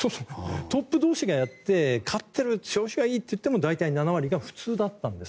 トップ同士がやって勝っている調子がいいといっても７割が普通だったんです。